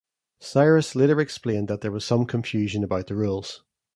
Cyrus later explained that there was some confusion about the rules.